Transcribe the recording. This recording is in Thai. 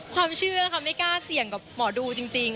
ความเชื่อเขาไม่กล้าเสี่ยงกับหมอดูจริง